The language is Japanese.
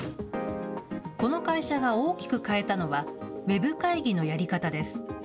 この会社が大きく変えたのは、ウェブ会議のやり方です。